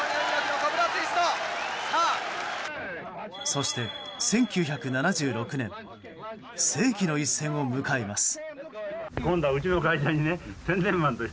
そして１９７６年世紀の一戦を迎えます。